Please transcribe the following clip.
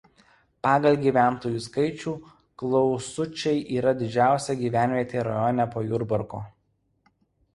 Pagal gyventojų skaičių Klausučiai yra didžiausia gyvenvietė rajone po Jurbarko.